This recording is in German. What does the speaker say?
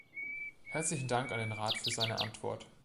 Herzlichen Dank an den Rat für seine Antwort.